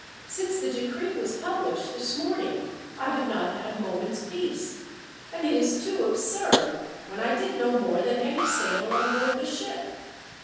Since the decree was published, this morning, I have not had a moment's peace, and it is too absurd, when I did no more than any sailor on board the ship.